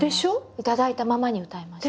頂いたままに歌いました。